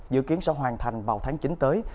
dự kiến sẽ hoàn thành vào tháng chín tới